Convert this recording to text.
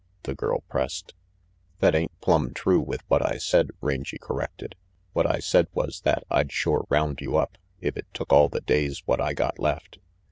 the girl pressed. "That ain't plumb true with what I said," Rangy corrected. "What I said was that I'd shore round you up, if it took all the days what I got left."